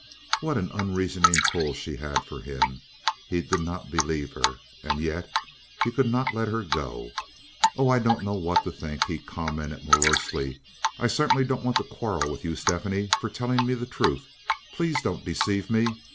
What an unreasoning pull she had for him! He did not believe her, and yet he could not let her go. "Oh, I don't know what to think," he commented, morosely. "I certainly don't want to quarrel with you, Stephanie, for telling me the truth. Please don't deceive me.